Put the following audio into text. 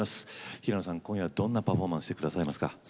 平野さん、どんなパフォーマンスをしてくださいますか。